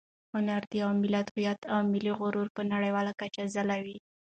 هنر د یو ملت هویت او ملي غرور په نړیواله کچه ځلوي.